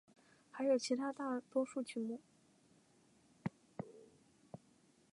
还有其他大多数曲目。